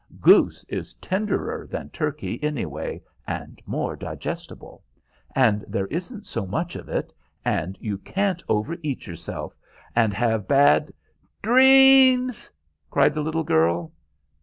Goose is tenderer than turkey, anyway, and more digestible; and there isn't so much of it, and you can't overeat yourself, and have bad " "Dreams!" cried the little girl.